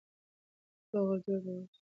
روغ او جوړ به اوسو.